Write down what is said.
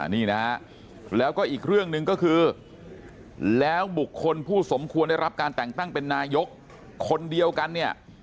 นี่นะฮะแล้วก็อีกเรื่องหนึ่งก็คือแล้วบุคคลผู้สมควรได้รับการแต่งตั้งเป็นนายกคนเดียวกันเนี่ย